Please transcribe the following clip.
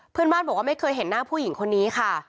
เพื่อนบ้านบอกว่าไม่เคยเห็นหน้าผู้หญิงคนนี้ค่ะ